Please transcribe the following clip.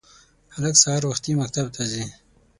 هلک سهار وختي مکتب ته ځي